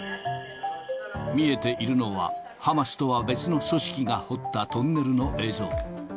見えているのは、ハマスとは別の組織が掘ったトンネルの映像。